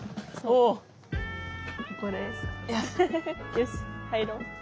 よし入ろう。